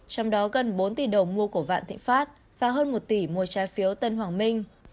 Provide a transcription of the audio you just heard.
trong đó gần bốn tỷ đồng mua của vạn thịnh pháp và hơn một tỷ mua trái phiếu tân hoàng minh